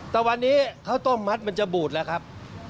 แต่วันนี้ข้าวต้มมัดมันจะบูดแล้วครับ